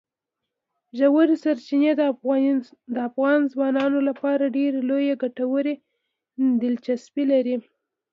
ژورې سرچینې د افغان ځوانانو لپاره ډېره لویه کلتوري دلچسپي لري.